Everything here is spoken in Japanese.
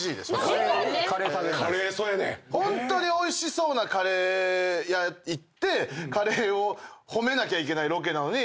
ホントにおいしそうなカレー屋行ってカレーを褒めなきゃいけないロケなのに。